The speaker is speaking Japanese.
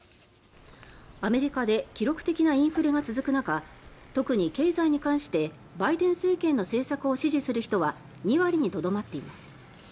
アメリカで記録的なインフレが続く中特に経済に関してバイデン政権の政策を支持する人は２割にとどまっています。